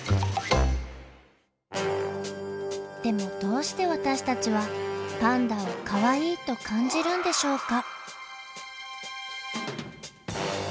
でもどうして私たちはパンダを「かわいい」と感じるんでしょうか？